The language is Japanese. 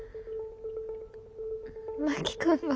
真木君が。